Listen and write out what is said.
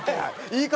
言い方